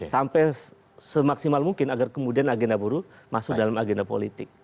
sampai semaksimal mungkin agar kemudian agenda buruh masuk dalam agenda politik